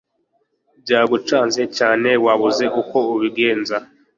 byagucanze cyane wabuze uko ubigenza